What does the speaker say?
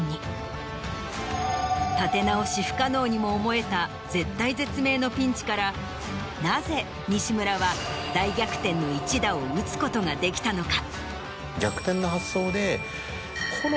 立て直し不可能にも思えた絶体絶命のピンチからなぜ西村は大逆転の一打を打つことができたのか。